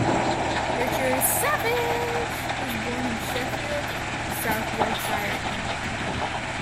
Richard Savage was born in Sheffield, South Yorkshire, England.